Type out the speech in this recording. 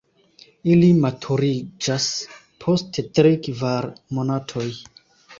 Ili maturiĝas post tri-kvar monatoj.